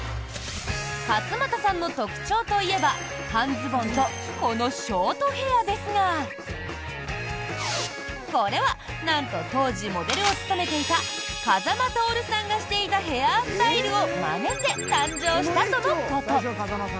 勝俣さんの特徴といえば半ズボンとこのショートヘアですがこれは、なんと当時、モデルを務めていた風間トオルさんがしていたヘアスタイルをまねて誕生したとのこと。